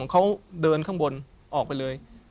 เขาเดินข้างบนออกไปเลย